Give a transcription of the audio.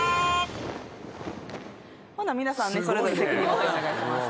ほな皆さんねそれぞれ責任を持ってお願いします。